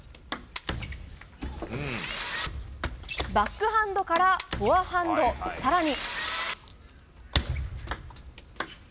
バックハンドからフォアハンド更に。